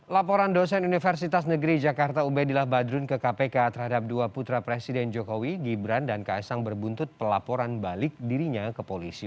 laporan dosen universitas negeri jakarta ubedillah badrun ke kpk terhadap dua putra presiden jokowi gibran dan ks sang berbuntut pelaporan balik dirinya ke polisi